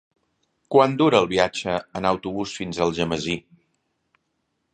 Quant dura el viatge en autobús fins a Algemesí?